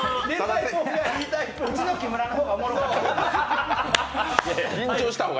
うちの木村の方がおもろかった。